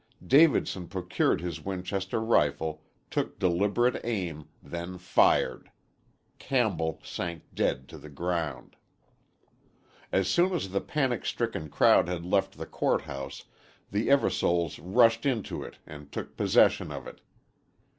Davidson procured his Winchester rifle, took deliberate aim, then fired. Campbell sank dead to the ground. As soon as the panic stricken crowd had left the court house the Eversoles rushed into it and took possession of it.